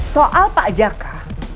soal pak jaka